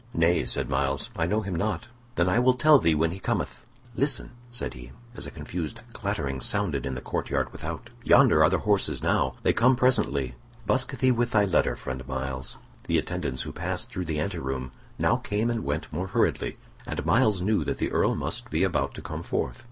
"Nay," said Myles, "I know him not." "Then I will tell thee when he cometh. Listen!" said he, as a confused clattering sounded in the court yard without. "Yonder are the horses now. They come presently. Busk thee with thy letter, friend Myles." The attendants who passed through the anteroom now came and went more hurriedly, and Myles knew that the Earl must be about to come forth.